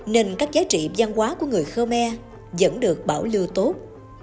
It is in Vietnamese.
nên các giá trị văn hóa của người khmer vẫn được bảo lưu tốt